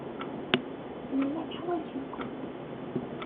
Nella neḥwaj-iken.